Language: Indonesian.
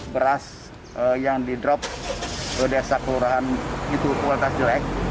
beras yang di drop ke desa kelurahan itu kualitas jelek